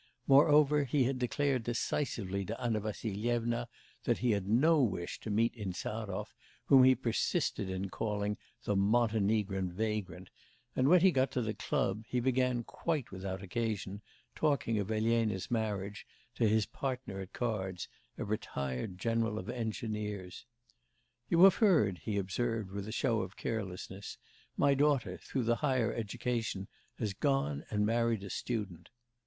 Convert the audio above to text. Moreover, he had declared decisively to Anna Vassilyevna that he had no wish to meet Insarov, whom he persisted in calling 'the Montenegrin vagrant,' and when he got to the club, he began, quite without occasion, talking of Elena's marriage, to his partner at cards, a retired general of engineers. 'You have heard,' he observed with a show of carelessness, 'my daughter, through the higher education, has gone and married a student.